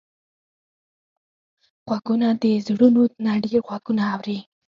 غوږونه د زړونو نه ډېر غږونه اوري